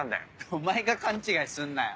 お前が勘違いすんなよ！